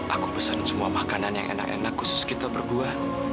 aku pesen semua makanan yang enak enak khusus kita berdua